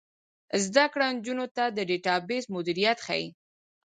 زده کړه نجونو ته د ډیټابیس مدیریت ښيي.